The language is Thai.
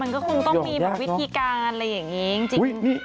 มันก็คงต้องมีวิธีการอะไรอย่างนี้